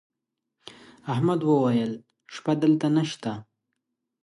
احمد وويل: شپه دلته نشته.